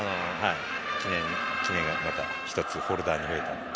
記念に１つホルダーに増えたので。